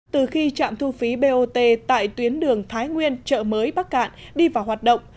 từ khi trạm thu phí bot tại tuyến đường thái nguyên chợ mới bắc cạn đi vào hoạt động